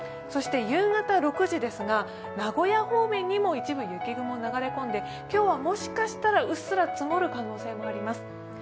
そして夕方６時ですが名古屋方面にも一部、雪雲が流れ込んで今日はもしかしたら、うっすら積もる可能性があります。